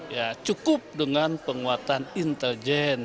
ya cukup dengan penguatan intelijen